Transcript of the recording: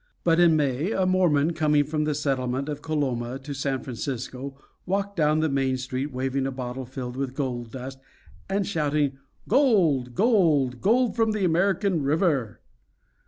But in May a Mormon, coming from the settlement of Coloma to San Francisco, walked down the main street waving a bottle filled with gold dust and shouting "Gold! Gold! Gold from the American River!"